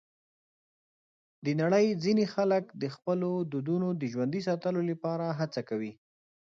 د نړۍ ځینې خلک د خپلو دودونو د ژوندي ساتلو لپاره هڅه کوي.